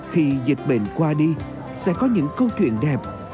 khi dịch bệnh qua đi sẽ có những câu chuyện đẹp